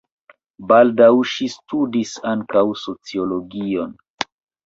Baldaŭ ŝi studis ankaŭ sociologion.